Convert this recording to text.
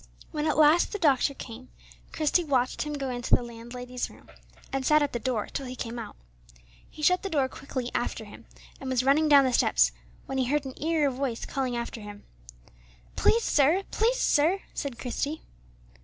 When at last the doctor came, Christie watched him go into the landlady's room and sat at the door till he came out. He shut the door quickly after him, and was running down the steps, when he heard an eager voice calling after him. "Please, sir, please, sir," said Christie.